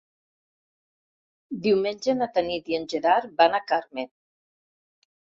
Diumenge na Tanit i en Gerard van a Carme.